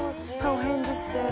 お返事して。